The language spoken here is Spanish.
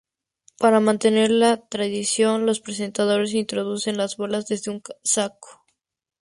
Para mantener la tradición los presentadores introducen las bolas desde un saco.